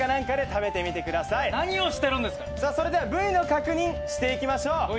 それでは部位の確認していきましょう。